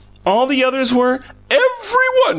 ALL the others were " "Every one!"